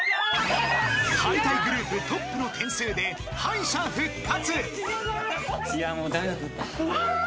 ［敗退グループトップの点数で敗者復活］